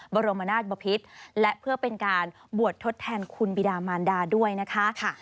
บรมนาศบพิษและเพื่อเป็นการบวชทดแทนคุณบิดามานดาด้วยนะคะ